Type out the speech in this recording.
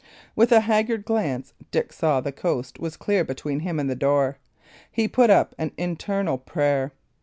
With a haggard glance, Dick saw the coast was clear between him and the door. He put up an internal prayer.